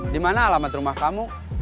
di mana alamat rumah kamu